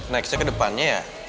nextnya kedepannya ya